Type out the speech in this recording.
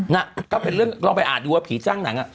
น่ะก็เป็นเรื่องลองไปอ่านดูว่าผีจ้างหนังอ่ะ